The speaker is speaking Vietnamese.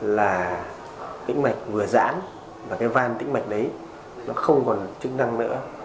là cái mạch vừa giãn và cái van tĩnh mạch đấy nó không còn chức năng nữa